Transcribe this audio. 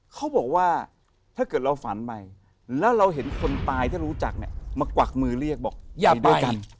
เขาบอกว่าถ้าเกิดเราฝันไปแล้วเราเห็นคนตายถ้ารู้จักเนี่ยมากวักมือเรียกบอกอย่าไปกัน